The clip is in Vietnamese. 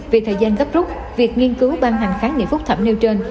vì thời gian gấp rút việc nghiên cứu ban hành kháng nghị phúc thẩm nêu trên